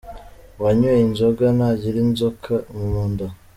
Uwanyweye inzoga ntagira inzoka mu nda